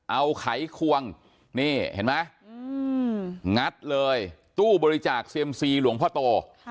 เอาไขควงนี่เห็นไหมงัดเลยตู้บริจาคเซียมซีหลวงพ่อโต